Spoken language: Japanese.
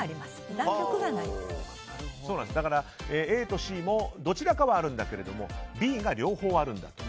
ＡとＣもどちらかはあるんだけれどＢが両方あるんだと。